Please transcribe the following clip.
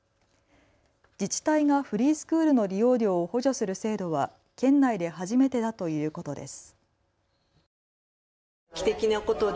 自治体がフリースクールの利用料を補助する制度は県内で初めてだということです。